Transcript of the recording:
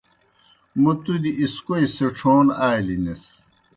موں تُوْ دیْ اِسکوئی سِڇھون آلیْ نِس۔۔